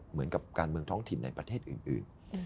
เหมือนกับการเมืองท้องถิ่นในประเทศอื่น